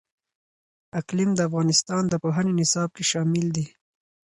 اقلیم د افغانستان د پوهنې نصاب کې شامل دي.